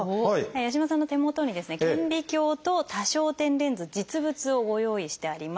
八嶋さんの手元にですね顕微鏡と多焦点レンズ実物をご用意してあります。